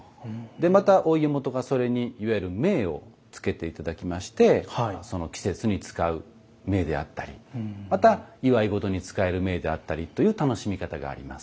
でまたお家元がそれにいわゆる「銘」をつけて頂きましてその季節に使う銘であったりまた祝い事に使える銘であったりという楽しみ方があります。